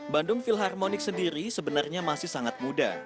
bandung philharmonic sendiri sebenarnya masih sangat muda